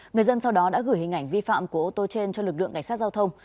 người dân sau đó đã gửi hình ảnh vi phạm của ô tô trên cho lực lượng cảnh sát giao thông